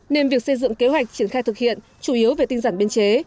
nên việc xây dựng kế hoạch triển khai thực hiện chủ yếu về tinh giản biên chế